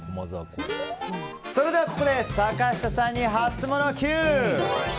ここで坂下さんにハツモノＱ！